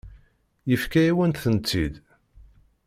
Yefka-yawen-tent-id.